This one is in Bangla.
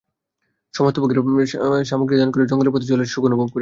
সমস্ত ভোগের সামগ্রী দান করে জঙ্গলের পথে চলছি সুখ অনুভব করব বলে।